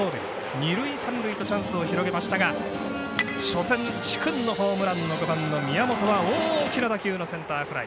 二塁、三塁とチャンスを広げましたが初戦、殊勲のホームランの５番の宮本は大きな打球のセンターフライ。